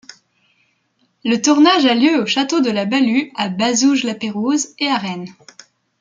Le tournage a lieu au château de la Ballue à Bazouges-la-Pérouse et à Rennes.